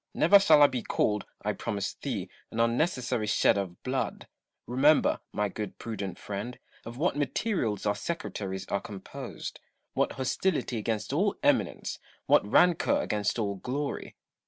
Never shall I be called, I promise thee, an unnecessary shedder of blood. Remember, my good, prudent friend, of what materials our secretaries are composed : what hostility against all eminence, what rancour against all glory.